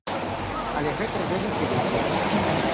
Але гэта вялікі выклік.